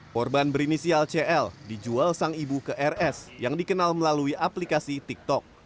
korban berinisial cl dijual sang ibu ke rs yang dikenal melalui aplikasi tiktok